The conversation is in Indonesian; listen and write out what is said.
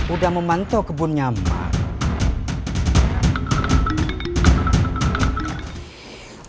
udah memantau kebun nyaman